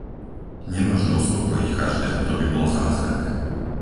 Nemožno uspokojiť každého, to by bol zázrak.